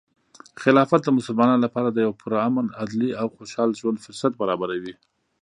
خلافت د مسلمانانو لپاره د یو پرامن، عدلي، او خوشحال ژوند فرصت برابروي.